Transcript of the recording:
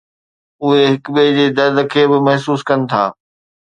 اهي هڪ ٻئي جي درد کي به محسوس ڪن ٿا